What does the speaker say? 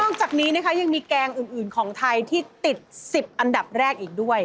จากนี้นะคะยังมีแกงอื่นของไทยที่ติด๑๐อันดับแรกอีกด้วย